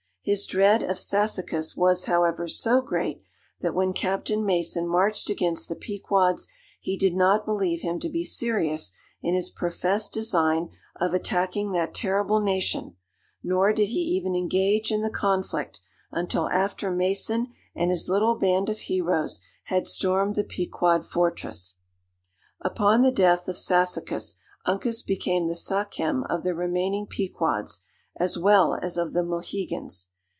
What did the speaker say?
His dread of Sassacus was, however, so great, that when Captain Mason marched against the Pequods, he did not believe him to be serious in his professed design of attacking that terrible nation, nor did he even engage in the conflict, until after Mason and his little band of heroes had stormed the Pequod fortress. Upon the death of Sassacus, Uncas became the sachem of the remaining Pequods, as well as of the Mohegans.